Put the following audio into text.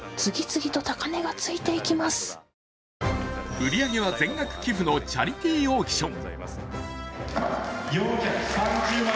売り上げは全額寄付のチャリティーオークション。